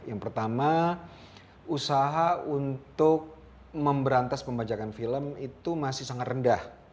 yang pertama usaha untuk memberantas pembajakan film itu masih sangat rendah